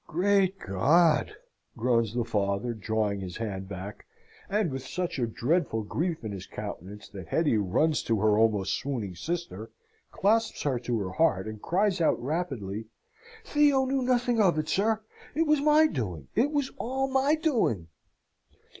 "Great God!" groans the father, drawing his hand back, and with such a dreadful grief in his countenance, that Hetty runs to her almost swooning sister, clasps her to her heart, and cries out, rapidly, "Theo knew nothing of it, sir! It was my doing it was all my doing!"